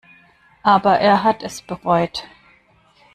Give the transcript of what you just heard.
Aber er hat es bereut.